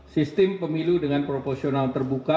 sistem pemilu dengan proporsional terbuka